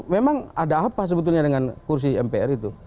memang ada apa sebetulnya dengan kursi mpr itu